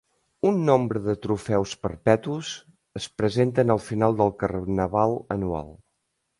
Un nombre de trofeus perpetus es presenten al final del Carnaval anual.